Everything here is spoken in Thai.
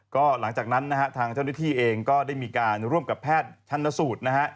ก็หลังจากนั้นนะฮะทางเจ้าหน้าที่เองก็ได้มีการร่วมกับแพทย์ชันสูตรนะฮะ